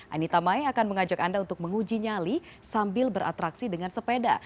anita mai akan mengajak anda untuk menguji nyali sambil beratraksi dengan sepeda